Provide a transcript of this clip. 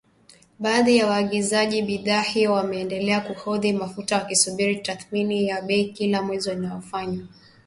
Baadhi ya waagizaji bidhaa hiyo wameendelea kuhodhi mafuta wakisubiri tathmini ya bei kila mwezi inayofanywa na Mamlaka ya Udhibiti wa Nishati na Petroli Aprili